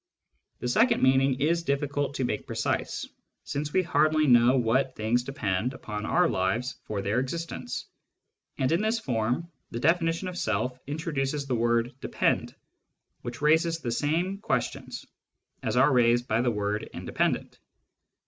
The second meaning is difficult to make precise, since we hardly know what things depend upon our lives for their existence. And in this form, the definition of Self introduces the word "depend," which raises the same questions as are raised by the word independent."